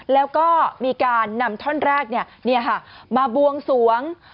แล้วก็มีการนำท่อนแรกมาบวงสวง